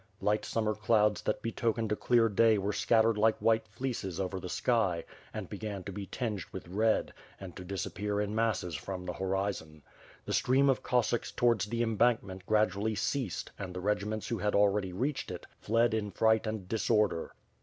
Light summer clouds that be tokened a clear day were scattered like white fleeces over the sky, and began to be tinged with red, and to disappear in masses from the horizon. The stream of Cossacks towards the embankment gradually ceased and the regiments who had already reached it fled in fright and disorder.